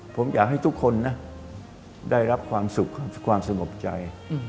ผมอยากให้ทุกคนนะได้รับความสุขความสงบใจ